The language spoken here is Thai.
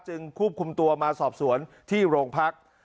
ควบคุมตัวมาสอบสวนที่โรงพัก